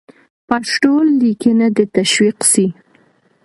پښتو لیکنه دې تشویق سي.